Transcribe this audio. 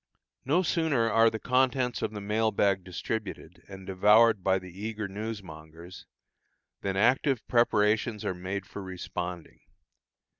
No sooner are the contents of the mail bag distributed, and devoured by the eager newsmongers, than active preparations are made for responding.